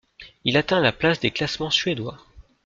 Il atteint la place des classements suédois.